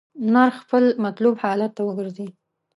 نرخ خپل مطلوب حالت ته ورګرځي.